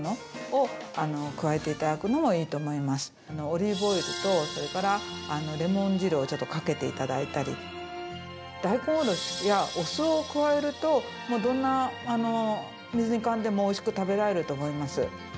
オリーブオイルとそれからレモン汁をちょっとかけていただいたり大根おろしや、お酢を加えるとどんな水煮缶でもおいしく食べられると思います。